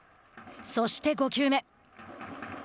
そして５球目。